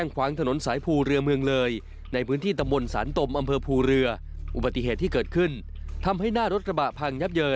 การสอบดูอัมเภอภูเลอไม่เตรียมสอบสวนหาสาเหตุที่เกิดขึ้นอีกครั้ง